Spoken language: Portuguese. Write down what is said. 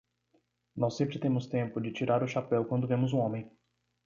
Nós sempre temos tempo de tirar o chapéu quando vemos um homem.